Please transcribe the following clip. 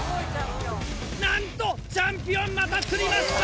なんとチャンピオンまた釣りました！